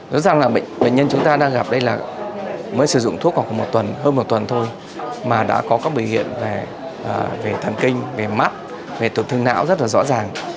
nói rằng là bệnh nhân chúng ta đang gặp đây là mới sử dụng thuốc khoảng hơn một tuần thôi mà đã có các biểu hiện về thân kinh về mắt về tổn thương não rất rõ ràng